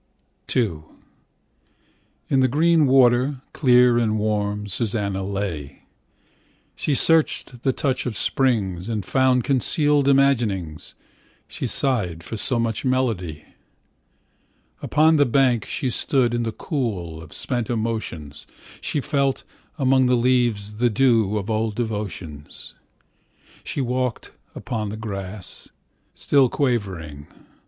IIIn the green water, clear and warm, Susanna lay. She searchedThe touch of springs, And foundConcealed imaginings. She sighedFor so much melody. Upon the bank she stoodIn the coolOf spent emotions. She felt, among the leaves, The dewOf old devotions. She walked upon the grass, Still quavering.